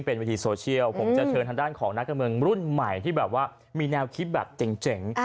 ผมจะเทินทางด้านของนักการเมืองรุ่นใหม่ที่แบบว่ามีแนวคิดแบบเจ๋ง